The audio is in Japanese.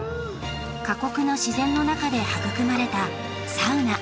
過酷な自然の中で育まれたサウナ。